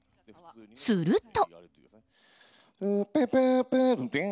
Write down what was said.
すると。